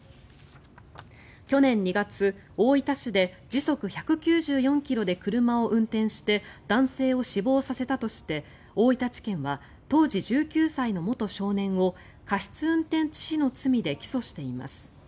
去年２月、大分市で時速１９４ｋｍで車を運転して男性を死亡させたとして大分地検は当時１９歳の元少年を過失運転致死の罪で起訴しています。